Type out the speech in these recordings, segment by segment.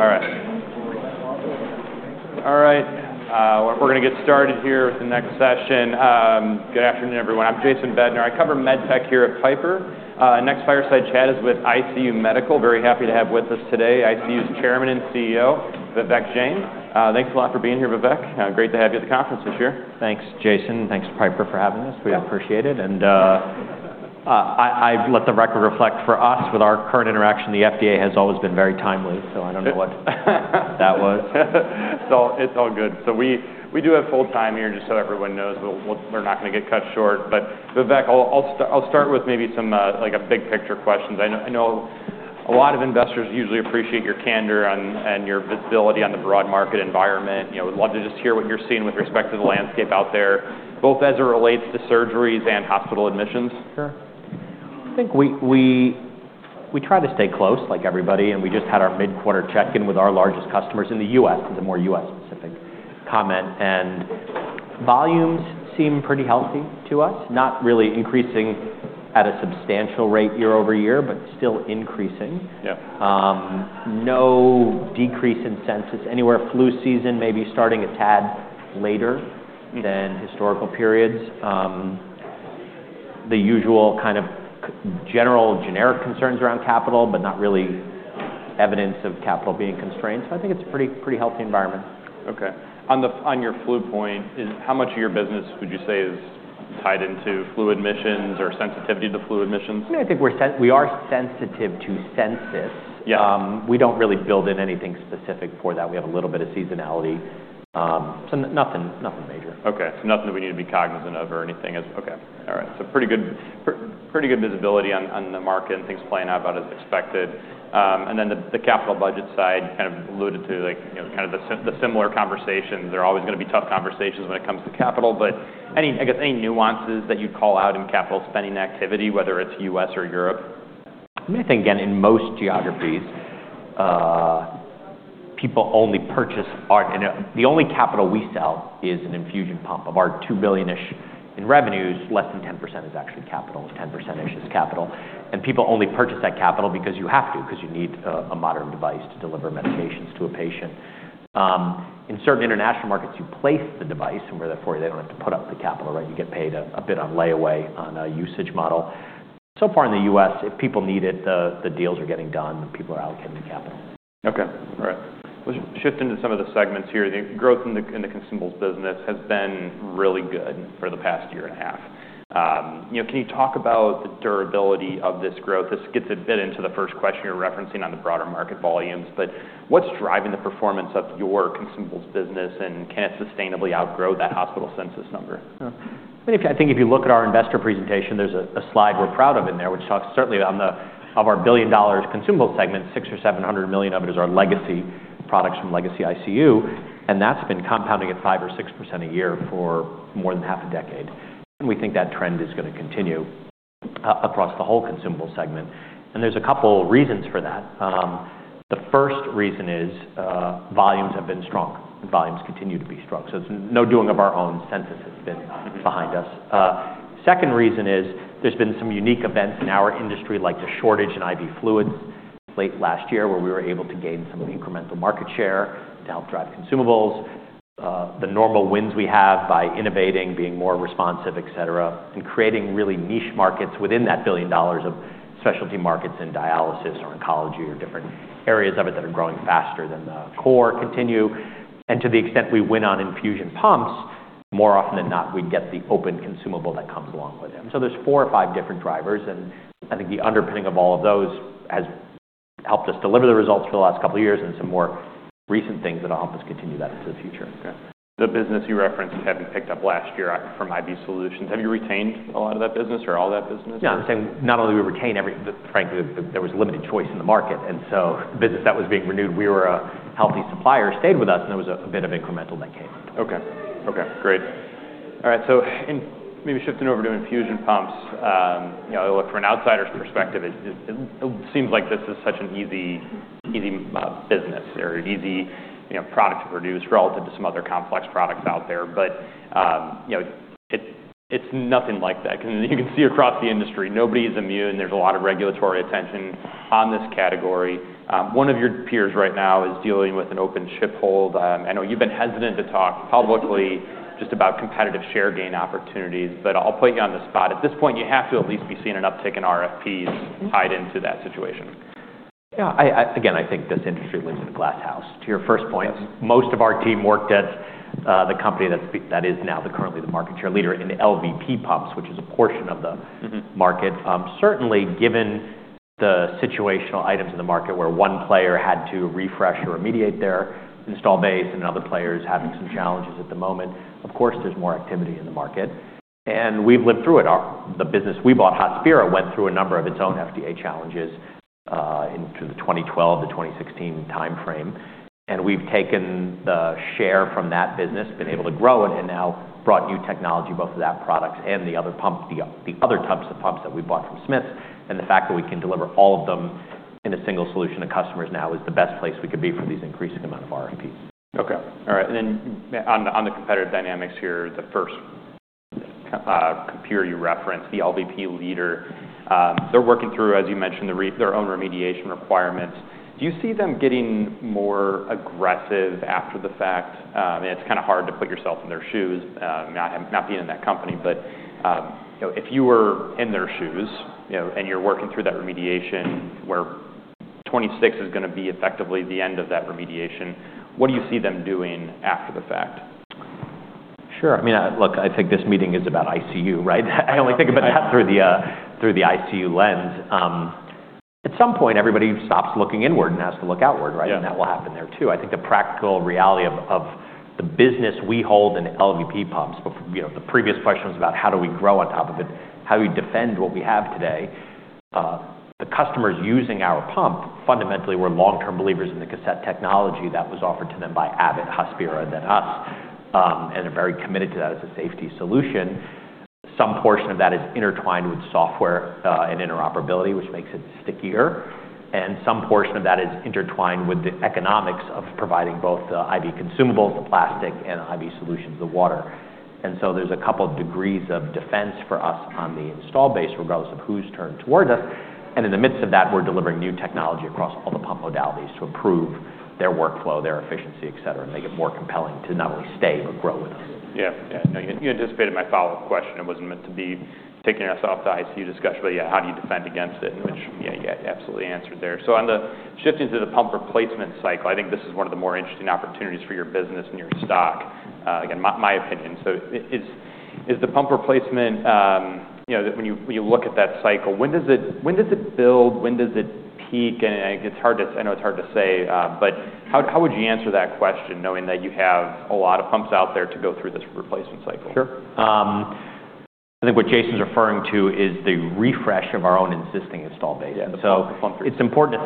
All right. All right. We're gonna get started here with the next session. Good afternoon, everyone. I'm Jason Bednar. I cover MedTech here at Piper. Next fireside chat is with ICU Medical. Very happy to have with us today ICU's chairman and CEO, Vivek Jain. Thanks a lot for being here, Vivek. Great to have you at the conference this year. Thanks, Jason. Thanks to Piper for having us. Yeah. We appreciate it. And, I've let the record reflect for us, with our current interaction, the FDA has always been very timely, so I don't know what that was. It's all good. We do have full time here, just so everyone knows. We'll, they're not gonna get cut short, but Vivek, I'll start with maybe some like a big picture questions. I know a lot of investors usually appreciate your candor and your visibility on the broad market environment. You know, we'd love to just hear what you're seeing with respect to the landscape out there, both as it relates to surgeries and hospital admissions. Sure. I think we try to stay close, like everybody. And we just had our mid-quarter check-in with our largest customers in the U.S., as a more U.S.-specific comment. And volumes seem pretty healthy to us, not really increasing at a substantial rate year-over-year, but still increasing. Yeah. No decrease in census anywhere. Flu season may be starting a tad later than historical periods. The usual kind of general generic concerns around capital, but not really evidence of capital being constrained. So I think it's a pretty, pretty healthy environment. Okay. On your flu point, is how much of your business would you say is tied into flu admissions or sensitivity to flu admissions? I mean, I think we're sensitive to census. Yeah. We don't really build in anything specific for that. We have a little bit of seasonality, so nothing major. Okay. So nothing that we need to be cognizant of or anything as okay. All right. So pretty good visibility on the market and things playing out about as expected, and then the capital budget side, kind of alluded to, like, you know, kind of the similar conversations. There are always gonna be tough conversations when it comes to capital, but any, I guess, any nuances that you'd call out in capital spending activity, whether it's U.S. or Europe? I mean, I think, again, in most geographies, people only purchase art. And the only capital we sell is an infusion pump. Of our $2 billion-ish in revenues, less than 10% is actually capital. 10%-ish is capital. And people only purchase that capital because you have to, 'cause you need a modern device to deliver medications to a patient. In certain international markets, you place the device, and where therefore, they don't have to put up the capital, right? You get paid a bit of layaway on a usage model. So far in the U.S., if people need it, the deals are getting done, and people are allocating capital. Okay. All right. Let's shift into some of the segments here. The growth in the consumables business has been really good for the past year and a half. You know, can you talk about the durability of this growth? This gets a bit into the first question you're referencing on the broader market volumes, but what's driving the performance of your consumables business, and can it sustainably outgrow that hospital census number? Yeah. I mean, I think if you look at our investor presentation, there's a slide we're proud of in there, which talks to the value of our billion-dollar consumable segment. Six or seven hundred million of it is our legacy products from legacy ICU, and that's been compounding at 5% or 6% a year for more than half a decade. We think that trend is gonna continue across the whole consumable segment. There's a couple reasons for that. The first reason is, volumes have been strong, and volumes continue to be strong. So it's no doing of our own. Census has been behind us. The second reason is there's been some unique events in our industry, like the shortage in IV fluids late last year, where we were able to gain some incremental market share to help drive consumables. The normal wins we have by innovating, being more responsive, etc., and creating really niche markets within that billion dollars of specialty markets in dialysis or oncology or different areas of it that are growing faster than the core continue, and to the extent we win on infusion pumps, more often than not, we get the open consumable that comes along with it, and so there's four or five different drivers, and I think the underpinning of all of those has helped us deliver the results for the last couple years and some more recent things that'll help us continue that into the future. Okay. The business you referenced having picked up last IV solutions, have you retained a lot of that business or all that business? Yeah. I'm saying not only did we retain every frankly, there was limited choice in the market, and so the business that was being renewed, we were a healthy supplier, stayed with us, and there was a bit of incremental that came up. Okay. Great. All right. So in maybe shifting over to infusion pumps, you know, I'll look from an outsider's perspective. It seems like this is such an easy business or an easy, you know, product to produce relative to some other complex products out there. But, you know, it's nothing like that 'cause you can see across the industry, nobody's immune. There's a lot of regulatory attention on this category. One of your peers right now is dealing with an open ship hold. I know you've been hesitant to talk publicly just about competitive share gain opportunities, but I'll put you on the spot. At this point, you have to at least be seeing an uptick in RFPs tied into that situation. Yeah. Again, I think this industry lives in a glass house. To your first point. Yes. Most of our team worked at the company that is now the current market share leader in LVP pumps, which is a portion of the. Mm-hmm. market. Certainly, given the situational items in the market where one player had to refresh or remediate their install base and other players having some challenges at the moment, of course, there's more activity in the market. And we've lived through it. Our, the business we bought, Hospira, went through a number of its own FDA challenges, into the 2012-2016 timeframe. And we've taken the share from that business, been able to grow it, and now brought new technology, both of that products and the other pump, the other types of pumps that we bought from Smiths. And the fact that we can deliver all of them in a single solution to customers now is the best place we could be for these increasing amount of RFPs. Okay. All right. And then on the competitive dynamics here, the first competitor you referenced, the LVP leader, they're working through, as you mentioned, their own remediation requirements. Do you see them getting more aggressive after the fact? It's kind of hard to put yourself in their shoes, not being in that company, but, you know, if you were in their shoes, you know, and you're working through that remediation where 2026 is going to be effectively the end of that remediation, what do you see them doing after the fact? Sure. I mean, look, I think this meeting is about ICU, right? I only think about that through the ICU lens. At some point, everybody stops looking inward and has to look outward, right? Yeah. That will happen there too. I think the practical reality of the business we hold in LVP pumps, but, you know, the previous question was about how do we grow on top of it, how do we defend what we have today. The customers using our pump, fundamentally, were long-term believers in the cassette technology that was offered to them by Abbott, Hospira, then us, and are very committed to that as a safety solution. Some portion of that is intertwined with software, and interoperability, which makes it stickier. And some portion of that is intertwined with the economics of providing both the IV consumables, the IV solutions, the water. And so there's a couple of degrees of defense for us on the install base, regardless of who's turned toward us. In the midst of that, we're delivering new technology across all the pump modalities to improve their workflow, their efficiency, etc., and make it more compelling to not only stay but grow with us. Yeah. No, you anticipated my follow-up question. It wasn't meant to be taking us off the ICU discussion, but, yeah, how do you defend against it? And, yeah, you absolutely answered there. So on the shifting to the pump replacement cycle, I think this is one of the more interesting opportunities for your business and your stock, again, my opinion. So is the pump replacement, you know, that when you look at that cycle, when does it build? When does it peak? And it's hard. I know it's hard to say, but how would you answer that question knowing that you have a lot of pumps out there to go through this replacement cycle? Sure. I think what Jason's referring to is the refresh of our own existing install base. Yeah. It's important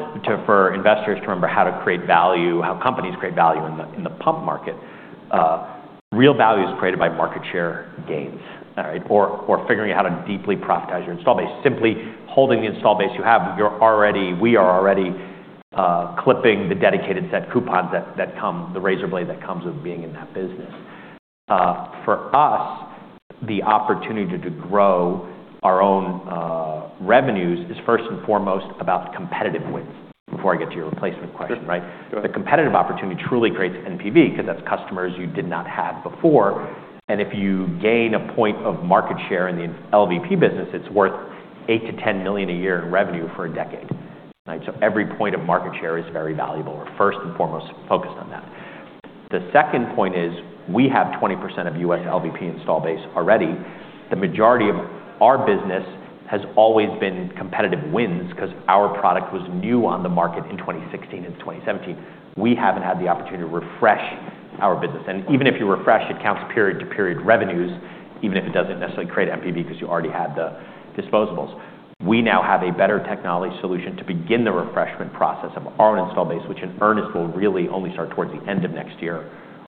for investors to remember how to create value, how companies create value in the pump market. Real value is created by market share gains, all right, or figuring out how to deeply profitize your install base. Simply holding the install base you have, we are already clipping the dedicated set coupons that come with the razor blade that comes with being in that business. For us, the opportunity to grow our own revenues is first and foremost about competitive wins. Before I get to your replacement question, right? Sure. Sure. The competitive opportunity truly creates NPV 'cause that's customers you did not have before. And if you gain a point of market share in the LVP business, it's worth $8 million-$10 million a year in revenue for a decade, right? So every point of market share is very valuable. We're first and foremost focused on that. The second point is we have 20% of U.S. LVP install base already. The majority of our business has always been competitive wins 'cause our product was new on the market in 2016 and 2017. We haven't had the opportunity to refresh our business. And even if you refresh, it counts period-to-period revenues, even if it doesn't necessarily create NPV 'cause you already had the disposables. We now have a better technology solution to begin the refreshment process of our own install base, which in earnest will really only start towards the end of next year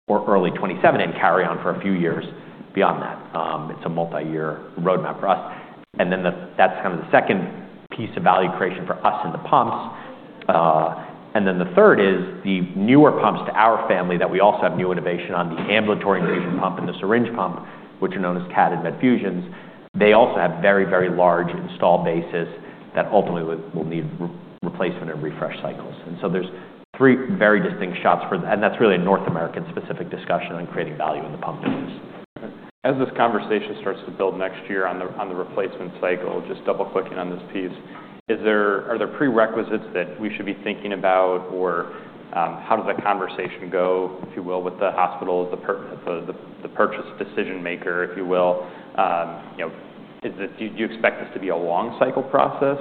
or early 2027 and carry on for a few years beyond that. It's a multi-year roadmap for us. And then that's kind of the second piece of value creation for us in the pumps. And then the third is the newer pumps to our family that we also have new innovation on, the ambulatory infusion pump and the syringe pump, which are known as CADD and Medfusion. They also have very, very large install bases that ultimately will, will need replacement and refresh cycles. And so there's three very distinct shots for the and that's really a North America-specific discussion on creating value in the pump business. Okay. As this conversation starts to build next year on the replacement cycle, just double-clicking on this piece, are there prerequisites that we should be thinking about or, how does that conversation go, if you will, with the hospitals, per the purchase decision maker, if you will? You know, do you expect this to be a long-cycle process?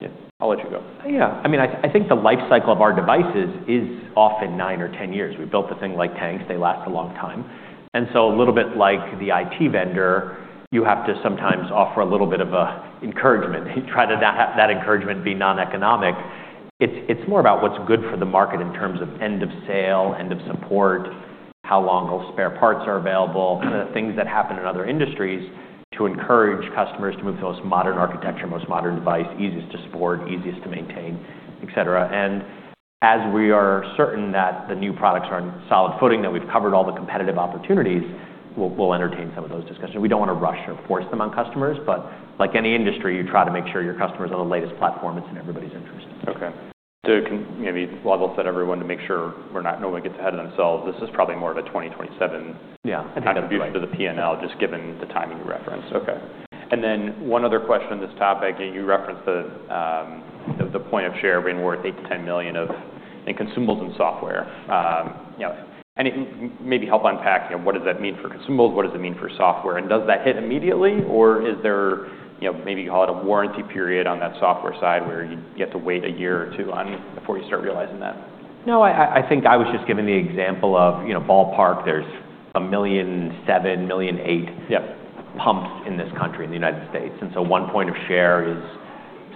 Yeah. I'll let you go. Yeah. I mean, I, I think the lifecycle of our devices is often 9 or 10 years. We've built the thing like tanks. They last a long time. And so a little bit like the IT vendor, you have to sometimes offer a little bit of a encouragement. You try to not have that encouragement be non-economic. It's, it's more about what's good for the market in terms of end of sale, end of support, how long those spare parts are available, kinda the things that happen in other industries to encourage customers to move to the most modern architecture, most modern device, easiest to support, easiest to maintain, etc. And as we are certain that the new products are on solid footing, that we've covered all the competitive opportunities, we'll, we'll entertain some of those discussions. We don't wanna rush or force them on customers, but like any industry, you try to make sure your customer's on the latest platform. It's in everybody's interest. Okay. So, can maybe level set everyone to make sure we're not, no one gets ahead of themselves. This is probably more of a 2027. Yeah. I think. Kind of view for the P&L, just given the timing you referenced. Okay. And then one other question on this topic, and you referenced the point of share being worth $8-$10 million in consumables and software. You know, and maybe help unpack, you know, what does that mean for consumables? What does it mean for software? And does that hit immediately, or is there, you know, maybe you call it a warranty period on that software side where you have to wait a year or two before you start realizing that? No. I think I was just giving the example of, you know, ballpark, there's 1.7 million-1.8 million. Yeah. Pumps in this country, in the United States. And so one point of share is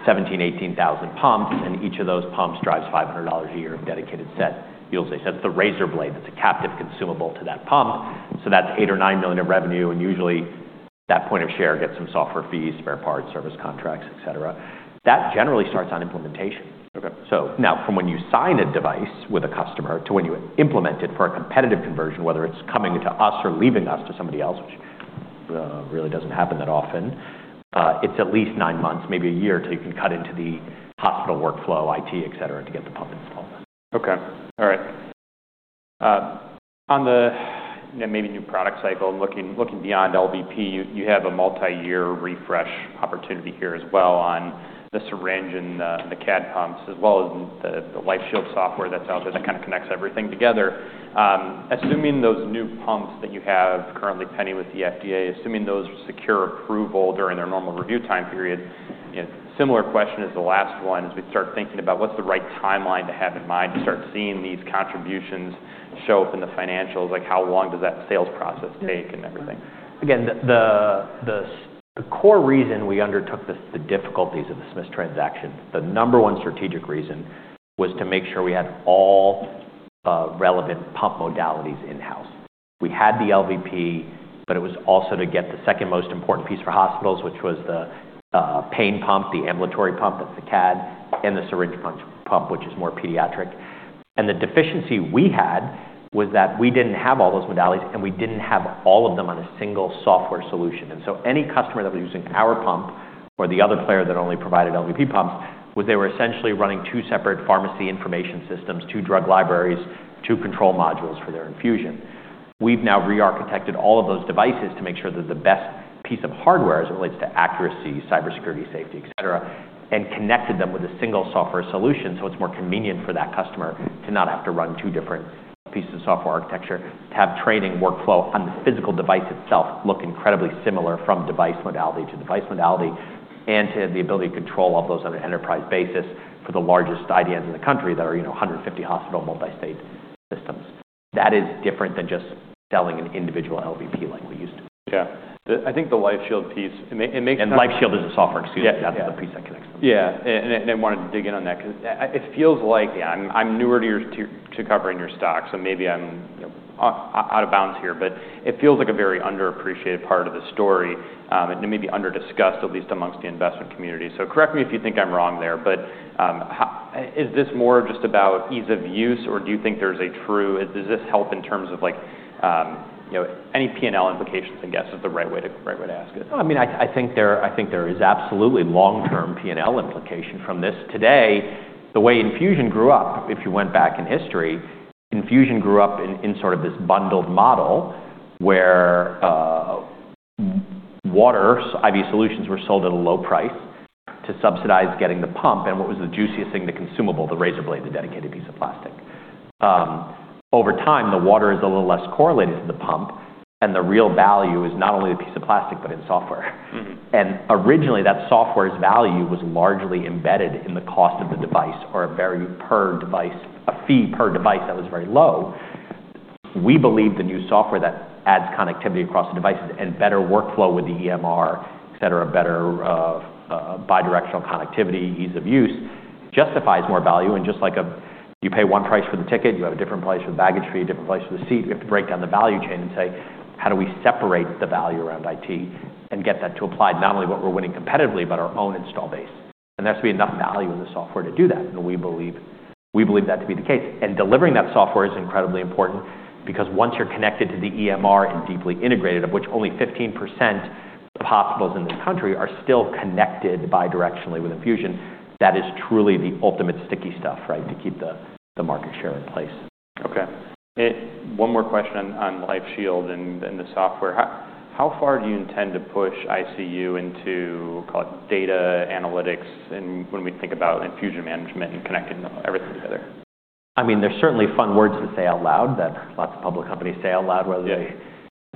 17-18 thousand pumps, and each of those pumps drives $500 a year of dedicated set. You'll say, "So that's the razor blade. That's a captive consumable to that pump." So that's 8 or 9 million of revenue. And usually, that point of share gets some software fees, spare parts, service contracts, etc. That generally starts on implementation. Okay. So now, from when you sign a device with a customer to when you implement it for a competitive conversion, whether it's coming to us or leaving us to somebody else, which, really doesn't happen that often, it's at least nine months, maybe a year, till you can cut into the hospital workflow, IT, etc., to get the pump installed. Okay. All right. On the, you know, maybe new product cycle, looking beyond LVP, you have a multi-year refresh opportunity here as well on the syringe and the CADD pumps, as well as the LifeShield software that's out there that kinda connects everything together. Assuming those new pumps that you have currently pending with the FDA, assuming those secure approval during their normal review time period, you know, similar question as the last one is we start thinking about what's the right timeline to have in mind to start seeing these contributions show up in the financials? Like, how long does that sales process take and everything? Again, the core reason we undertook the difficulties of the Smiths transaction, the number one strategic reason, was to make sure we had all relevant pump modalities in-house. We had the LVP, but it was also to get the second most important piece for hospitals, which was the pain pump, the ambulatory pump, that's the CADD, and the syringe pump, which is more pediatric. And the deficiency we had was that we didn't have all those modalities, and we didn't have all of them on a single software solution. And so any customer that was using our pump or the other player that only provided LVP pumps was they were essentially running two separate pharmacy information systems, two drug libraries, two control modules for their infusion. We've now re-architected all of those devices to make sure that the best piece of hardware as it relates to accuracy, cybersecurity, safety, etc., and connected them with a single software solution so it's more convenient for that customer to not have to run two different pieces of software architecture, to have training workflow on the physical device itself look incredibly similar from device modality to device modality, and to have the ability to control all those on an enterprise basis for the largest IDNs in the country that are, you know, 150-hospital multi-state systems. That is different than just selling an individual LVP like we used to. Yeah. I think the LifeShield piece and it makes sense. LifeShield is a software suite. Yeah. Yeah. That's the piece that connects them. Yeah. And I wanted to dig in on that 'cause it feels like yeah, I'm newer to covering your stock, so maybe I'm, you know, out of bounds here, but it feels like a very underappreciated part of the story, and maybe under-discussed, at least amongst the investment community. So correct me if you think I'm wrong there, but how is this more just about ease of use, or do you think this is truly helpful in terms of, like, you know, any P&L implications? I guess is the right way to ask it. I mean, I think there is absolutely long-term P&L implication from this. Today, the way infusion grew up, if you went back in history, infusion grew up in sort of this bundled model where IV solutions were sold at a low price to subsidize getting the pump. And what was the juiciest thing to consumable? The razor blade, the dedicated piece of plastic. Over time, the water is a little less correlated to the pump, and the real value is not only the piece of plastic but in software. Mm-hmm. And originally, that software's value was largely embedded in the cost of the device or a very per device a fee per device that was very low. We believe the new software that adds connectivity across the devices and better workflow with the EMR, etc., better, bidirectional connectivity, ease of use, justifies more value. And just like you pay one price for the ticket, you have a different price for the baggage fee, a different price for the seat. We have to break down the value chain and say, "How do we separate the value around IT and get that to apply not only what we're winning competitively but our own install base?" And there has to be enough value in the software to do that. And we believe that to be the case. Delivering that software is incredibly important because once you're connected to the EMR and deeply integrated, of which only 15% of hospitals in this country are still connected bidirectionally with infusion, that is truly the ultimate sticky stuff, right, to keep the market share in place. Okay. And one more question on LifeShield and the software. How far do you intend to push ICU into call it data analytics and when we think about infusion management and connecting everything together? I mean, there's certainly fun words to say out loud that lots of public companies say out loud, whether they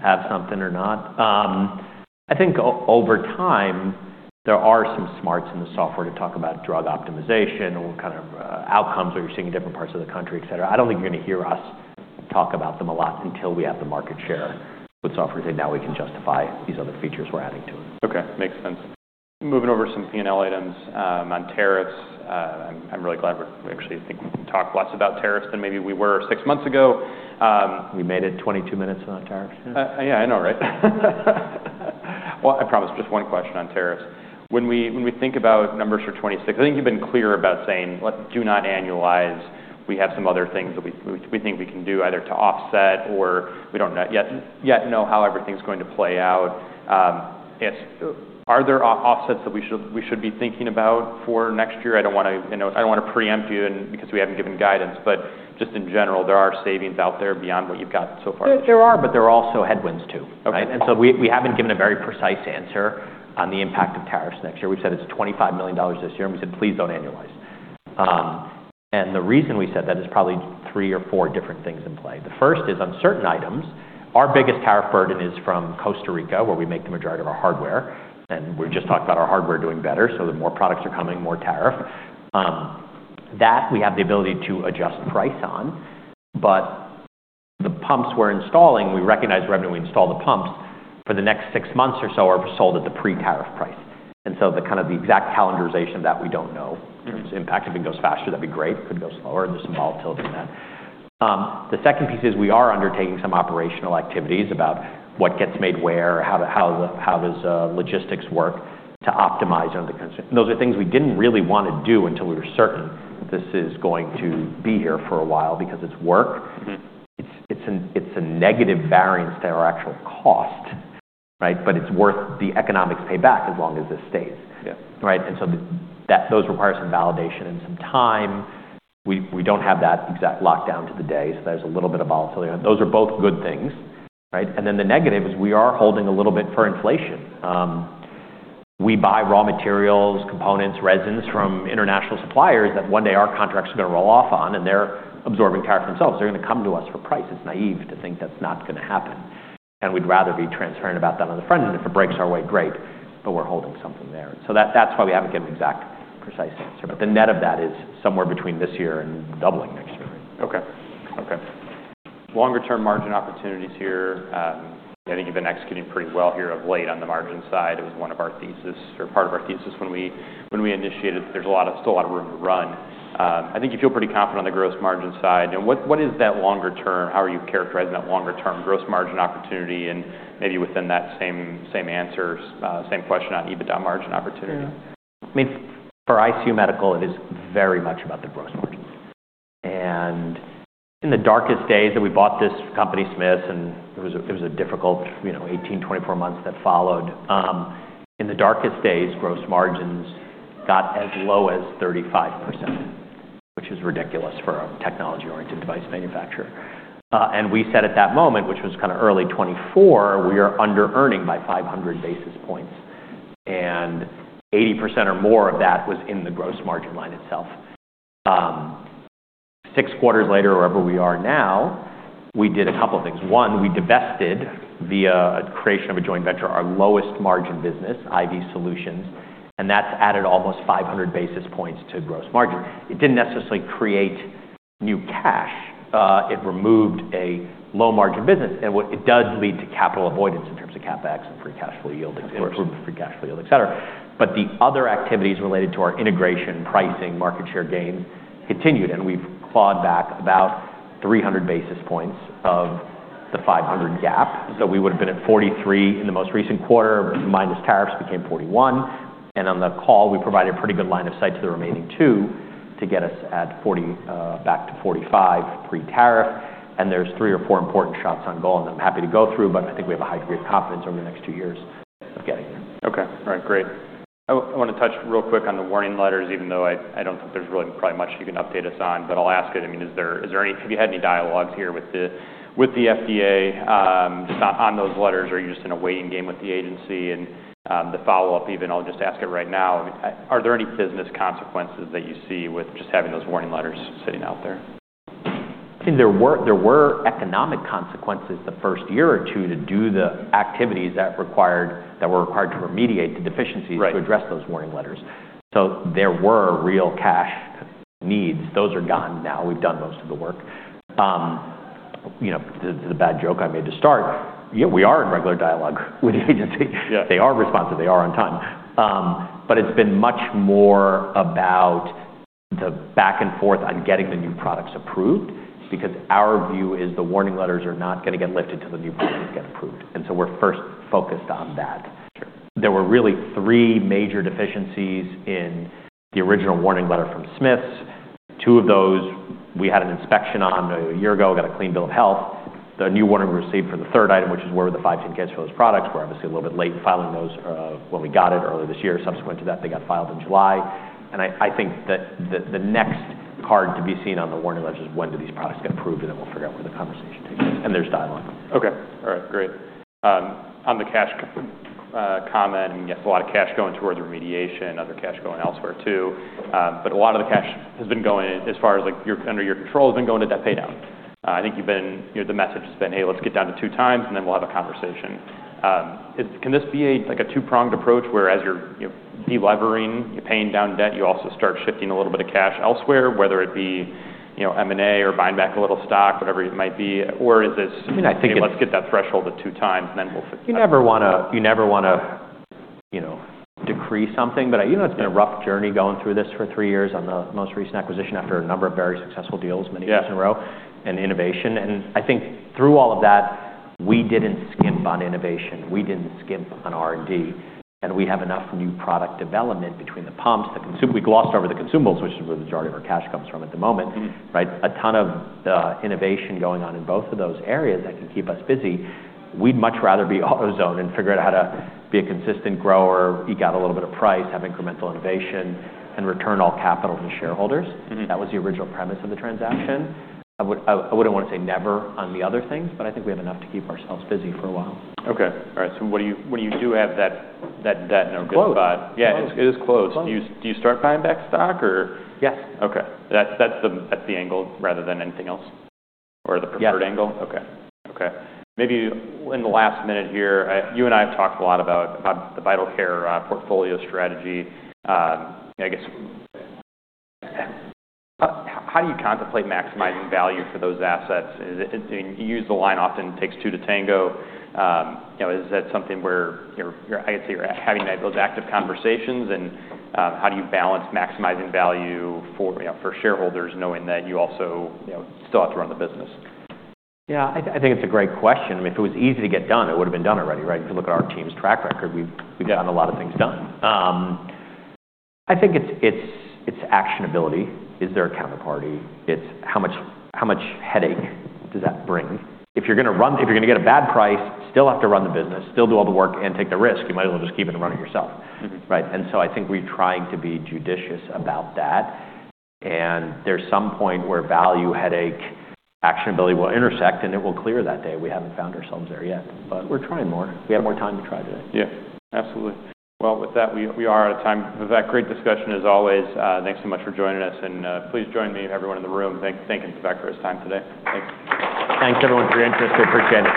have something or not. I think over time, there are some smarts in the software to talk about drug optimization or kind of, outcomes where you're seeing in different parts of the country, etc. I don't think you're gonna hear us talk about them a lot until we have the market share with software to say, "Now we can justify these other features we're adding to it. Okay. Makes sense. Moving over to some P&L items, on tariffs. I'm really glad we're actually talking less about tariffs than maybe we were six months ago. We made it 22 minutes on tariffs. Yeah. Yeah. I know, right? Well, I promise. Just one question on tariffs. When we think about numbers for 2026, I think you've been clear about saying, "Look, do not annualize. We have some other things that we think we can do either to offset or we don't yet know how everything's going to play out." Yes. Are there offsets that we should be thinking about for next year? I don't wanna. I know I don't wanna preempt you and because we haven't given guidance, but just in general, there are savings out there beyond what you've got so far. There are, but there are also headwinds too. Okay. Right? And so we haven't given a very precise answer on the impact of tariffs next year. We've said it's $25 million this year, and we said, "Please don't annualize," and the reason we said that is probably three or four different things in play. The first is on certain items. Our biggest tariff burden is from Costa Rica, where we make the majority of our hardware. And we just talked about our hardware doing better, so the more products are coming, more tariff that we have the ability to adjust price on. But the pumps we're installing, we recognize revenue. We install the pumps. For the next six months or so, we're sold at the pre-tariff price. And so the kind of exact calendarization of that, we don't know in terms of impact. If it goes faster, that'd be great. It could go slower. There's some volatility in that. The second piece is we are undertaking some operational activities about what gets made where, how the logistics work to optimize under the constraints, and those are things we didn't really wanna do until we were certain this is going to be here for a while because it's work. Mm-hmm. It's a negative variance to our actual cost, right? But it's worth the economics payback as long as this stays. Yeah. Right? And so that those require some validation and some time. We don't have that exact lockdown to the day, so there's a little bit of volatility on it. Those are both good things, right? And then the negative is we are holding a little bit for inflation. We buy raw materials, components, resins from international suppliers that one day our contracts are gonna roll off on, and they're absorbing tariff themselves. They're gonna come to us for price. It's naive to think that's not gonna happen. And we'd rather be transparent about that on the front end. If it breaks our way, great, but we're holding something there. So that's why we haven't given an exact, precise answer. But the net of that is somewhere between this year and doubling next year. Okay. Okay. Longer-term margin opportunities here. I think you've been executing pretty well here of late on the margin side. It was one of our thesis or part of our thesis when we initiated. There's still a lot of room to run. I think you feel pretty confident on the gross margin side. And what is that longer-term? How are you characterizing that longer-term gross margin opportunity? And maybe within that same answer, same question on EBITDA margin opportunity. I mean, for ICU Medical, it is very much about the gross margins. And in the darkest days that we bought this company, Smiths, and it was a difficult, you know, 18-24 months that followed. In the darkest days, gross margins got as low as 35%, which is ridiculous for a technology-oriented device manufacturer. And we said at that moment, which was kinda early 2024, we are under-earning by 500 basis points. And 80% or more of that was in the gross margin line itself. Six quarters later, wherever we are now, we did a couple of things. One, we divested via a creation of a joint venture our lowest IV solutions, and that's added almost 500 basis points to gross margin. It didn't necessarily create new cash. It removed a low-margin business. What it does lead to capital avoidance in terms of CapEx and free cash flow yield, improved free cash flow yield, etc. Of course. But the other activities related to our integration, pricing, market share gains continued, and we've clawed back about 300 basis points of the 500 gap. So we would've been at 43 in the most recent quarter, minus tariffs, became 41. And on the call, we provided a pretty good line of sight to the remaining two to get us at 40, back to 45 pre-tariff. And there's three or four important shots on goal that I'm happy to go through, but I think we have a high degree of confidence over the next two years of getting there. Okay. All right. Great. I wanna touch real quick on the warning letters, even though I don't think there's really probably much you can update us on, but I'll ask it. I mean, have you had any dialogues here with the FDA, just on those letters, or are you just in a waiting game with the agency? And the follow-up, even I'll just ask it right now. I mean, are there any business consequences that you see with just having those warning letters sitting out there? I mean, there were economic consequences the first year or two to do the activities that were required to remediate the deficiencies. Right. To address those Warning Letters. So there were real cash needs. Those are gone now. We've done most of the work. You know, to the bad joke I made to start, yeah, we are in regular dialogue with the agency. Yeah. They are responsive. They are on time, but it's been much more about the back and forth on getting the new products approved because our view is the warning letters are not gonna get lifted till the new product is getting approved, and so we're first focused on that. Sure. There were really three major deficiencies in the original warning letter from Smiths. Two of those we had an inspection on a year ago, got a clean bill of health. The new warning we received for the third item, which is where the 510(k)s for those products were obviously a little bit late in filing those, when we got it earlier this year. Subsequent to that, they got filed in July, and I think that the next card to be seen on the warning letters is when do these products get approved, and then we'll figure out where the conversation takes us, and there's dialogue. Okay. All right. Great. On the cash comment, I mean, yes, a lot of cash going towards remediation, other cash going elsewhere too. But a lot of the cash has been going as far as, like, what's under your control has been going to debt paydown. I think you've been, you know, the message has been, "Hey, let's get down to two times, and then we'll have a conversation." Can this be a, like, a two-pronged approach where, as you're, you know, delevering, you're paying down debt, you also start shifting a little bit of cash elsewhere, whether it be, you know, M&A or buying back a little stock, whatever it might be? Or is this. I mean, I think it. Let's get that threshold to two times, and then we'll fix it? You never wanna, you know, decrease something, but I, you know, it's been a rough journey going through this for three years on the most recent acquisition after a number of very successful deals many years in a row. Yeah. And innovation. And I think, through all of that, we didn't skimp on innovation. We didn't skimp on R&D. And we have enough new product development between the pumps, we glossed over the consumables, which is where the majority of our cash comes from at the moment. Mm-hmm. Right? A ton of innovation going on in both of those areas that can keep us busy. We'd much rather be AutoZoned and figure out how to be a consistent grower, eke out a little bit of price, have incremental innovation, and return all capital to shareholders. Mm-hmm. That was the original premise of the transaction. I wouldn't wanna say never on the other things, but I think we have enough to keep ourselves busy for a while. Okay. All right. So, what do you do when you do have that debt in a good spot? Close. Yeah. It is close. Close. Do you start buying back stock, or? Yes. Okay. That's the angle rather than anything else or the preferred angle? Yes. Okay. Maybe in the last minute here, you and I have talked a lot about the Vital Care portfolio strategy. I guess how do you contemplate maximizing value for those assets? Is it? I mean, you use the line it takes two to tango often. You know, is that something where you're having those active conversations? And how do you balance maximizing value for, you know, for shareholders knowing that you also, you know, still have to run the business? Yeah. I think it's a great question. I mean, if it was easy to get done, it would've been done already, right? If you look at our team's track record, we've done a lot of things. I think it's actionability. Is there a counterparty? It's how much headache does that bring? If you're gonna get a bad price, still have to run the business, still do all the work and take the risk, you might as well just keep it running yourself. Mm-hmm. Right? And so I think we're trying to be judicious about that. And there's some point where value, headache, actionability will intersect, and it will clear that day. We haven't found ourselves there yet, but we're trying more. We have more time to try today. Yeah. Absolutely. Well, with that, we are out of time. With that, great discussion as always. Thanks so much for joining us. And please join me, everyone in the room, thanking Vivek for his time today. Thanks. Thanks, everyone, for your interest. I appreciate it.